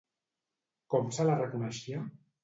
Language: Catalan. Com se la reconeixia?